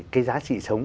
cái giá trị sống